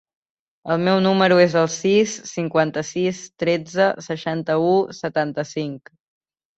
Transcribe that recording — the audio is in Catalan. El meu número es el sis, cinquanta-sis, tretze, seixanta-u, setanta-cinc.